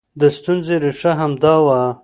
د ستونزې ریښه همدا وه